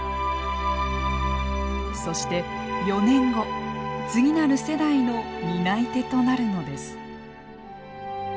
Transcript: そして４年後次なる世代の担い手となるのです。